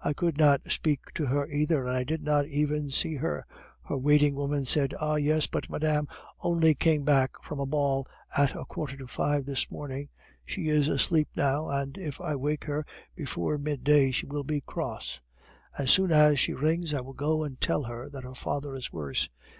I could not speak to her either, and I did not even see her. Her waiting woman said, 'Ah yes, but madame only came back from a ball at a quarter to five this morning; she is asleep now, and if I wake her before mid day she will be cross. As soon as she rings, I will go and tell her that her father is worse.